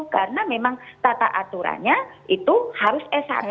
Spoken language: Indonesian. karena memang tata aturannya itu harus s satu